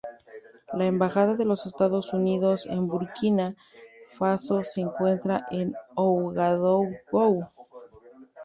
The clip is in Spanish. La Embajada de los Estados Unidos en Burkina Faso se encuentra en Ouagadougou.